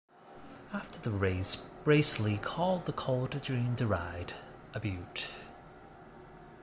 After the race Breasley called the colt a dream to ride, a beaut.